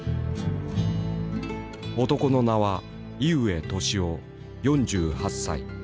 男の名は井植歳男４８歳。